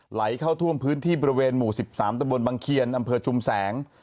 ไหลเข้าท่วมพื้นที่บริเวณหมู่๑๓ตะบนบังเคียนอำเภอชุมแสง